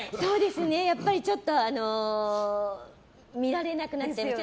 やっぱりちょっと見られなくなっちゃいます。